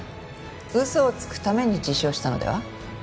嘘をつくために自首をしたのでは？